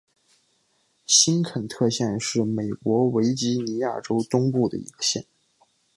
新肯特县是美国维吉尼亚州东部的一个县。